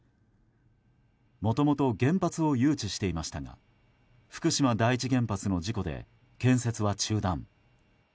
もともと原発を誘致していましたが福島第一原発の事故で建設は中断。